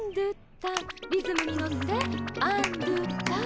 リズムに乗ってアンドゥターン。